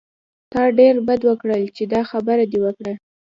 تا ډېر بد وکړل چې دا خبره دې وکړه.